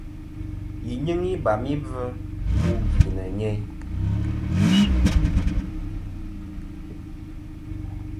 Yi nyɨŋ ibam i gvɨ ku gvì nɨ̀ nyeyn.